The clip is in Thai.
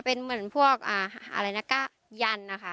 เป็นเหมือนพวกยันนะคะ